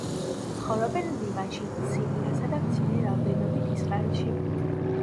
ცხოვრობენ ლიბანში, სირიასა და მცირე რაოდენობით ისრაელში.